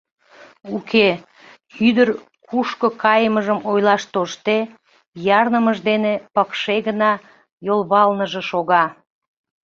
— Уке, — ӱдыр, кушко кайымыжым ойлаш тоштде, ярнымыж дене пыкше гына йолвалныже шога.